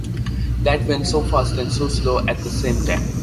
That went so fast and so slow at the same time.